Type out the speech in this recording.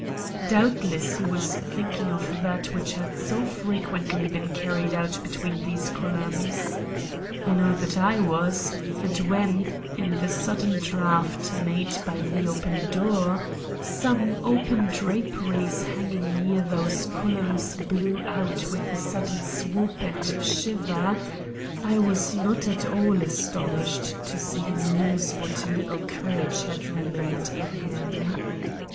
Doubtless he was thinking of that which had so frequently been carried out between those columns. I know that I was; and when, in the sudden draft made by the open door, some open draperies hanging near those columns blew out with a sudden swoop and shiver, I was not at all astonished to see him lose what little courage had remained in him.